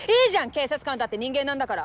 警察官だって人間なんだから。